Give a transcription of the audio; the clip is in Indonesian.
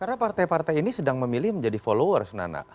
karena partai partai ini sedang memilih menjadi followers nana